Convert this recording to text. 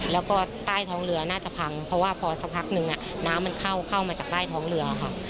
แล้วก็ใต้ท้องเรือน่าจะพังเพราะว่าพอสักพักนึงน้ำมันเข้ามาจากใต้ท้องเรือค่ะ